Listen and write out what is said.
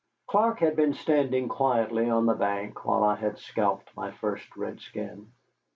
Clark had been standing quietly on the bank while I had scalped my first redskin.